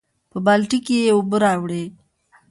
پۀ بالټي کښې ئې اوبۀ راوړې ـ